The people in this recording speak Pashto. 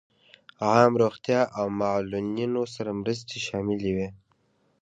عام روغتیا او معلولینو سره مرستې شاملې وې.